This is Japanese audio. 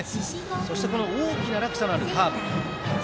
そして大きな落差のあるカーブ。